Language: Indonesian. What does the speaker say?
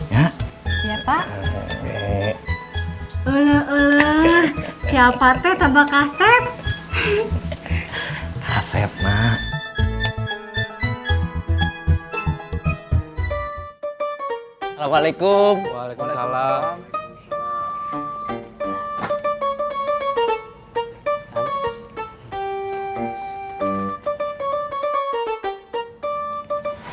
ya iya pak eh uluh siapa teh tambah kaset kaset mak assalamualaikum waalaikumsalam